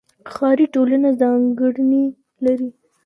ښاري ټولنه ځانګړنې لري.